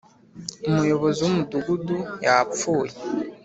umuyobozi w'umudugudu yapfuye